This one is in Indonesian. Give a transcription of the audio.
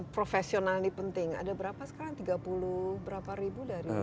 profesional ini penting ada berapa sekarang tiga puluh berapa ribu dari